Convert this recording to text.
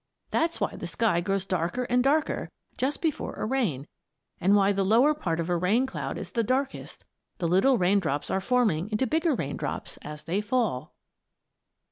That's why the sky grows darker and darker just before a rain, and why the lower part of a rain cloud is the darkest: the little raindrops are forming into bigger raindrops as they fall.